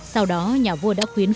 sau đó nhà vua đã khuyến khích